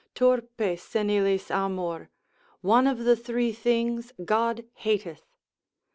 Turpe senilis amor, one of the three things God hateth.